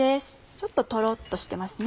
ちょっとトロっとしてますね。